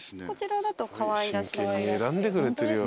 こちらだとかわいらしい。